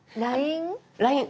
「ＬＩＮＥ」？